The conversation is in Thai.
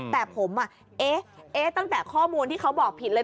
แต่ผมตั้งแต่ข้อมูลที่เขาบอกผิดเลย